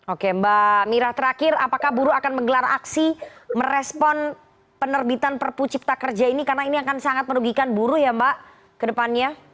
oke mbak mira terakhir apakah buruh akan menggelar aksi merespon penerbitan perpu cipta kerja ini karena ini akan sangat merugikan buruh ya mbak ke depannya